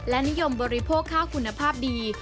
และนิยมบริโภคข้าวคุณภาพดี